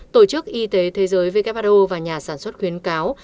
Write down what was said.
tổ chức y tế thế giới who và nhà sản xuất khuyến cáo